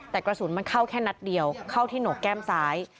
แต่กระสุนมันเข้าแค่นัดเดียวเข้าที่โหนกแก้มซ้าย